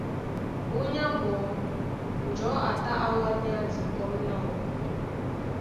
Búnyá ɓɔɔ́ njɔ̌ a tá á wánéá dikɔ́m láō.